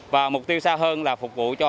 và mục tiêu xa hơn là phục vụ cho